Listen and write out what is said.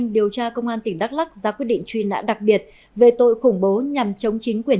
điều tra công an tỉnh đắk lắc ra quyết định truy nã đặc biệt về tội khủng bố nhằm chống chính quyền